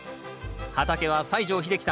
畑は西城秀樹さん